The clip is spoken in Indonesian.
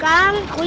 kita balik ke rumah